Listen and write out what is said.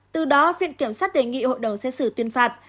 từ đó viện kiểm sát đề nghị hội đồng xét xử tuyên phạt